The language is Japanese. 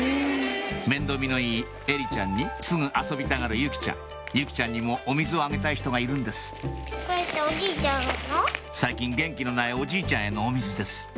面倒見のいい絵理ちゃんにすぐ遊びたがる由季ちゃん由季ちゃんにもお水をあげたい人がいるんです最近元気のないおじいちゃんへのお水です